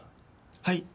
はい。